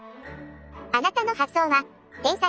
あなたの発想は天才？